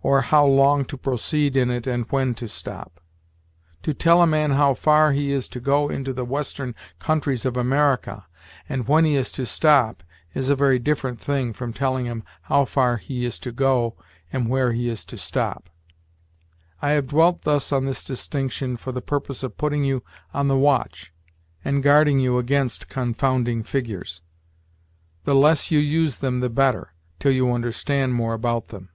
Or, how long to proceed in it and when to stop. To tell a man how far he is to go into the Western countries of America, and when he is to stop, is a very different thing from telling him how far he is to go and where he is to stop. I have dwelt thus on this distinction for the purpose of putting you on the watch and guarding you against confounding figures. The less you use them the better, till you understand more about them."